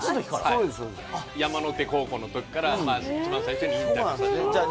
山の手高校のときから一番最初にインタビューさせてもらって。